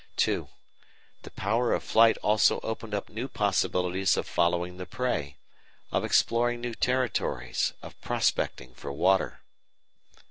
(2) The power of flight also opened up new possibilities of following the prey, of exploring new territories, of prospecting for water.